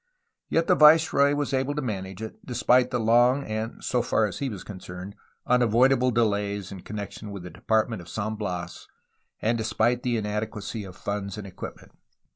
Yet the viceroy was able to manage it, despite the long and (so far as he was con cerned) unavoidable delays in connection with the Depart 288 A HISTORY OF CALIFORNIA ment of San Bias and despite the inadequacy of funds and equipment.